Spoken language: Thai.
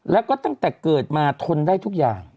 แล้วก็ตั้งแต่เกิดมาทนได้ทุกอย่าง